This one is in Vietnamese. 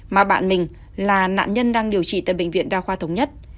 mà bạn mình là nạn nhân đang điều trị tại bệnh viện đa khoa thống nhất